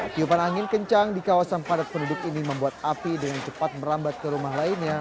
tiupan angin kencang di kawasan padat penduduk ini membuat api dengan cepat merambat ke rumah lainnya